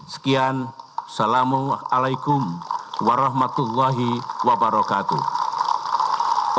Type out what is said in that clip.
sekian assalamualaikum warahmatullahi wabarakatuh